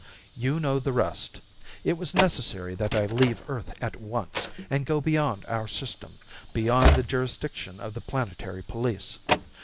"You know the rest. It was necessary that I leave Earth at once and go beyond our system, beyond the jurisdiction of the planetary police.